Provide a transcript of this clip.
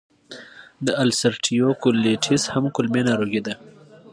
د السرېټیو کولیټس هم کولمې ناروغي ده.